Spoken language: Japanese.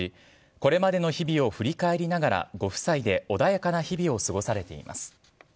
これまでの日々を振り返りながらご夫妻で穏やかな日々を過ごされています。